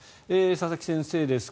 佐々木先生です。